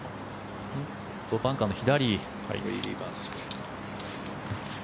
バンカーの左。